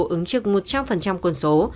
ứng trực một trăm linh quân số